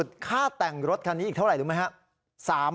อย่างมันคือค่าแต่งรถคันนี้อีกเท่าไรรู้ไหม